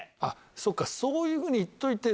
そっかそういうふうに言っといて。